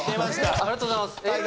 ありがとうございます。